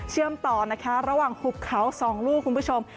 เชื่อมต่อนะคะระหว่างหุบเขาสองลูกคุณผู้ชม